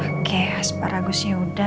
oke asparagusnya udah